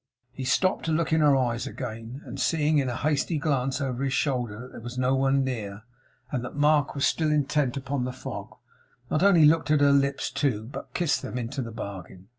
He stopped to look into her eyes again, and seeing, in a hasty glance over his shoulder, that there was no one near, and that Mark was still intent upon the fog, not only looked at her lips, too, but kissed them into the bargain.